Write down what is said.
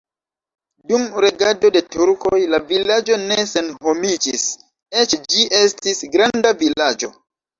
Dum regado de turkoj la vilaĝo ne senhomiĝis, eĉ ĝi estis granda vilaĝo.